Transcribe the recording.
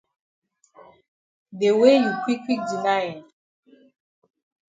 De way you quick quick deny eh.